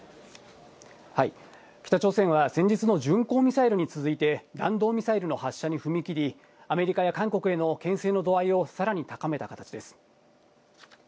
北朝鮮は先日の巡航ミサイルに続いて弾道ミサイルの発射に踏み切り、アメリカや韓国へのけん制の度合いをさらに高めた形です。